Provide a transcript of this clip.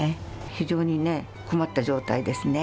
非常にね、困った状態ですね。